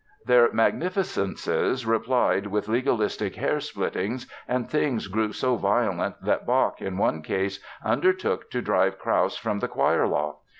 "Their Magnificences" replied with legalistic hair splittings and things grew so violent that Bach in one case undertook to drive Krause from the choir loft.